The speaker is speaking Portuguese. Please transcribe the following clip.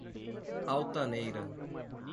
Altaneira